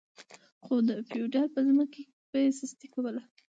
خو د فیوډال په ځمکو کې به یې سستي کوله.